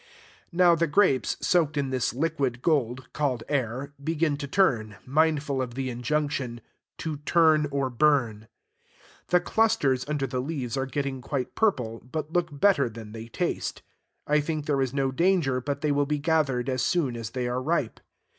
Now, the grapes, soaked in this liquid gold, called air, begin to turn, mindful of the injunction, "to turn or burn." The clusters under the leaves are getting quite purple, but look better than they taste. I think there is no danger but they will be gathered as soon as they are ripe.